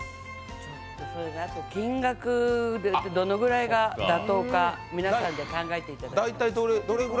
金額がどのぐらいが妥当か皆さんで考えていただきたい。